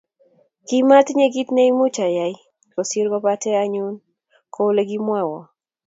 Kimatinye kit ne much ayai kosir kopate ayan kou olekomwa